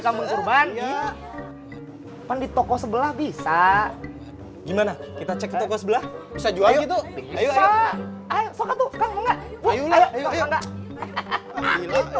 kambing kurban ya pandi toko sebelah bisa gimana kita cek toko sebelah bisa jual itu